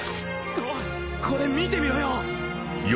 おいこれ見てみろよ！